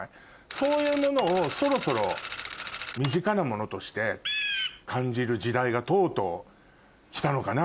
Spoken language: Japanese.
そういうものをそろそろ身近なものとして感じる時代がとうとう来たのかなっていう。